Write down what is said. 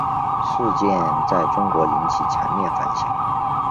事件在中国引起强烈反响。